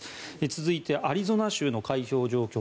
続いて、アリゾナ州の開票状況